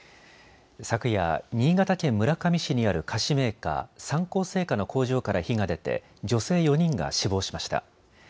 昨夜、新潟県村上市にある菓子メーカー、三幸製菓の工場から火が出て女性４人が死亡しました。